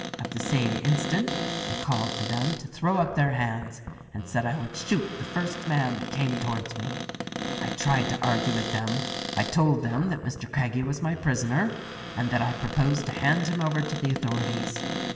At the same instant I called to them to throw up their hands and said I would shoot the first man that came towards me. I tried to argue with them. I told them that Mr. Craggie was my prisoner and that I proposed to hand him over to the authorities.